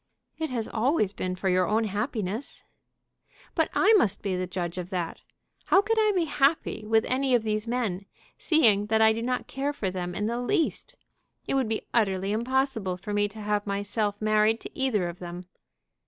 "It has always been for your own happiness." "But I must be the judge of that. How could I be happy with any of these men, seeing that I do not care for them in the least? It would be utterly impossible for me to have myself married to either of them.